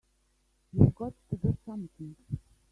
You've got to do something!